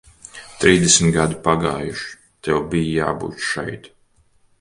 Trīsdesmit gadi pagājuši, tev bija jābūt šeit.